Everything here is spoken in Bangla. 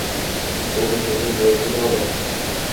মন ভেঙে গিয়েছিল আমার।